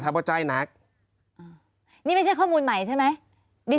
ถ้าปรับจ่ายนักอ่านี่ไม่ใช่ข้อมูลใหม่ใช่ไหมดิ